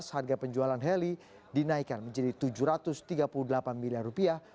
harga penjualan heli dinaikkan menjadi tujuh ratus tiga puluh delapan miliar rupiah